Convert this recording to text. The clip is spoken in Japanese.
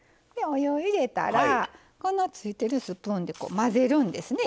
お湯を入れたらついてるスプーンで混ぜるんですね。